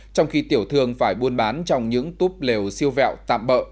trong khi tiểu thương phải buôn bán trong những túp lều siêu vẹo tạm bỡ